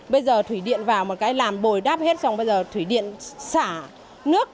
bây giờ thủy điện vào làm bồi đáp hết xong bây giờ thủy điện xả nước